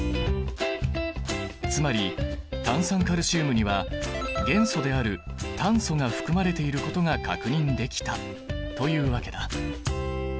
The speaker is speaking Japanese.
つまり炭酸カルシウムには元素である炭素が含まれていることが確認できたというわけだ。